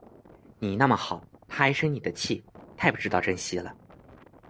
你那么好，她还生你的气，太不知道珍惜了